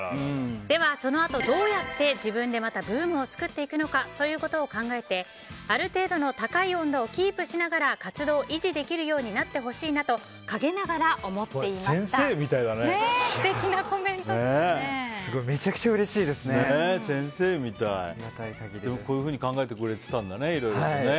では、そのあと、どうやって自分でまたブームを作っていくのかということを考えてある程度の高い温度をキープしながら活動を維持できるようになってほしいなと先生みたいだね。